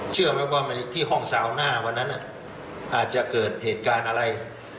เชื่อไหมว่าที่ห้องสาวหน้าวันนั้นอาจจะเกิดเหตุการณ์อะไร